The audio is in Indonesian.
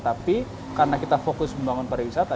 tapi karena kita fokus membangun pariwisata